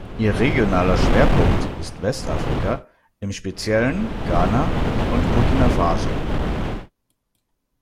Ihr regionaler Schwerpunkt ist Westafrika, im Speziellen Ghana und Burkina Faso.